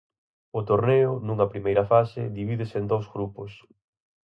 O torneo, nunha primeira fase, divídese en dous grupos.